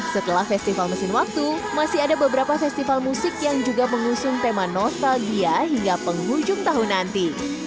setelah festival mesin waktu masih ada beberapa festival musik yang juga mengusung tema nostalgia hingga penghujung tahun nanti